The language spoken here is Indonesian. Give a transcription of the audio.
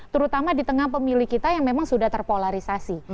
terutama di tengah pemilih kita yang memang sudah terpolarisasi